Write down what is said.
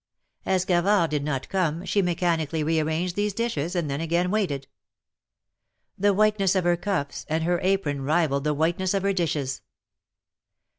As Gavard did not come, she mechanically rearranged these dishes, and then again waited. The whiteness of 92 THE MAEKETS OF PARIS. her cuffs and her apron rivalled the whiteness of her dishes.